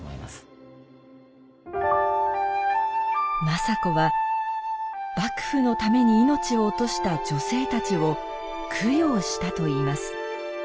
政子は幕府のために命を落とした女性たちを供養したといいます。